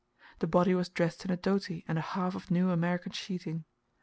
The body was dressed in a doti and a half of new American sheeting.